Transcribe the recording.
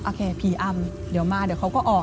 ผีอำเดี๋ยวมาเดี๋ยวเขาก็ออก